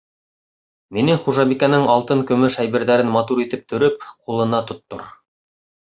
— Минең хужабикәнең алтын-көмөш әйберҙәрен матур итеп төрөп, ҡулына тоттор!